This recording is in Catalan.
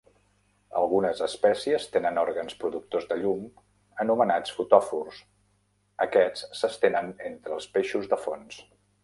Algunes espècies tenen òrgans productors de llum anomenats fotòfors. Aquests s'estenen entre els peixos de fons.